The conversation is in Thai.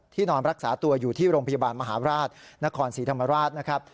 นอนรักษาตัวอยู่ที่โรงพยาบาลมหาราชนครศรีธรรมราชนะครับ